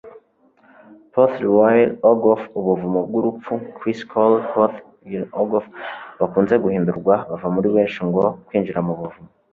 Porth-yr-Ogof: Ubuvumo bw'urupfu Chris Crowley Porth-yr-Ogof bakunze guhindurwa bava muri Welsh ngo 'kwinjira mu buvumo'.